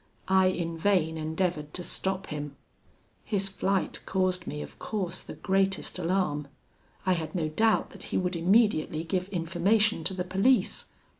I in vain endeavoured to stop him. "His flight caused me, of course, the greatest alarm. I had no doubt that he would immediately give information to the police.